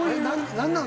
⁉何なの？